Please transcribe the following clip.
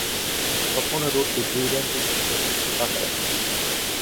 সম্পূর্ণ রুটটি দুই লেন বিশিষ্ট একটি পাকা রাস্তা।